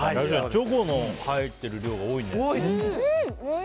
チョコの入ってる量が多いね。